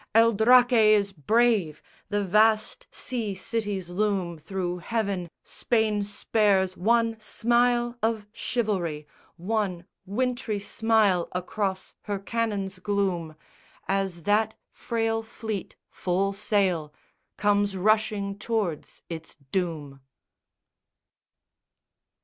El Draque is brave! The vast sea cities loom Thro' heaven: Spain spares one smile of chivalry, One wintry smile across her cannons' gloom As that frail fleet full sail comes rushing tow'rds its doom.